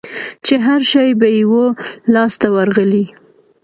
چي هرشی به یې وو لاس ته ورغلی